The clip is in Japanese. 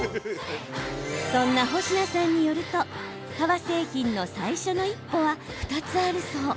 そんな保科さんによると革製品の最初の一歩は２つあるそう。